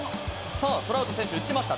トラウト選手打ちました！